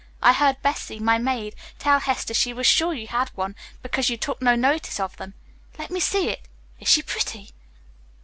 I heard Bessy, my maid, tell Hester she was sure you had one because you took no notice of them. Let me see it. Is she pretty?"